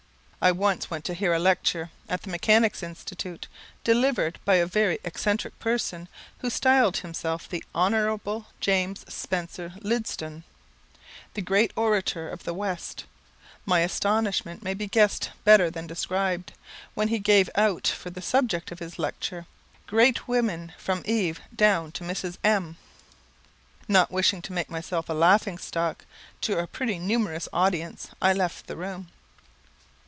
I once went to hear a lecture at the Mechanics' Institute, delivered by a very eccentric person, who styled himself the Hon. James Spencer Lidstone the Great Orator of the West. My astonishment may be guessed better than described, when he gave out for the subject of his lecture "Great women, from Eve down to Mrs. M ." Not wishing to make myself a laughing stock, to a pretty numerous audience, I left the room.